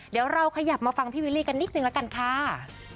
เดี๋ยวเราขยับมาฟังพี่วิลลี่กันนิดนึงละกันค่ะ